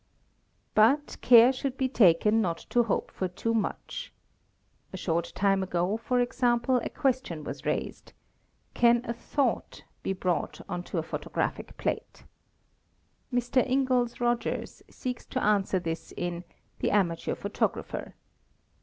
. o But care should be taken not to hope for too much. A short tim ago for example a question was raised "' Can a thought be brought on ti a photographic plate?' Mr. Ingles Rogers seeks to answer this in "Th Amateur Photographer.